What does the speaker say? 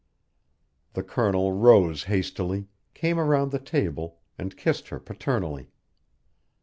The Colonel rose hastily, came around the table, and kissed her paternally.